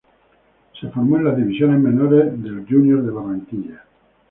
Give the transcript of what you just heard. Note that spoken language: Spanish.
Se formó en las divisiones menores del Junior de Barranquilla.